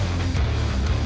sesuai kualifikasi motogp